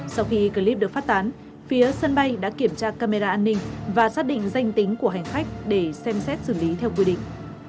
sau khi clip được phát tán phía sân bay đã kiểm tra camera an ninh và xác định danh tính của hành khách để xem xét xử lý theo quy định